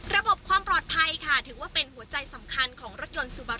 ระบบความปลอดภัยค่ะถือว่าเป็นหัวใจสำคัญของรถยนต์ซูบา